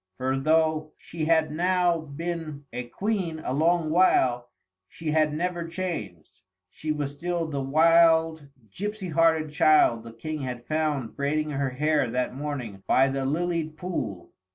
For, though she had now been a Queen a long while, she had never changed. She was still the wild gipsy hearted child the King had found braiding her hair that morning by the lilied pool.